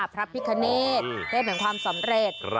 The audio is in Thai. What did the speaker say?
พระพิกษณีย์เทพเหมือนความสำเร็จ